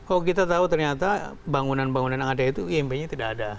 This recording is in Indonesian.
oh kita tahu ternyata bangunan bangunan yang ada itu imb nya tidak ada